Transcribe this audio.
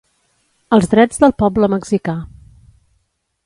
Els Drets del Poble Mexicà.